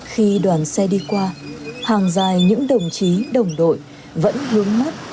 khi đoàn xe đi qua hàng dài những đồng chí đồng đội vẫn hướng mắt